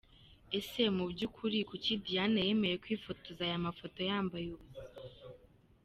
Ese mubyukuri kuki Diane yemeye kwifotoza aya mafoto yambaye ubusa